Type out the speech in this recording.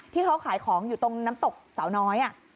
ที่เขาขายของอยู่ตรงน้ำตกสาวน้อย